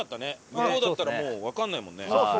向こうだったらもうわかんないもんね。